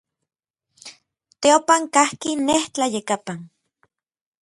Teopan kajki nej tlayekapan.